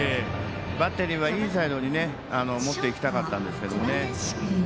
バッテリーはインサイドに持っていきたかったんですけどね。